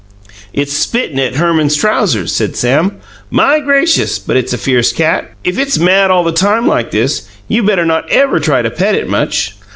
"It's spittin' at Herman's trousers," said Sam. "My gracious, but it's a fierce cat! If it's mad all the time like this, you better not ever try to pet it much.